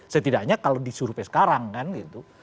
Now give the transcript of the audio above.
setidaknya kalau disuruhnya sekarang kan gitu